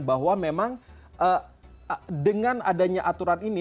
bahwa memang dengan adanya aturan ini